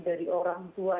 dari orang tua